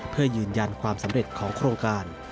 เพื่อยืนยันความสำเร็จของโครงการ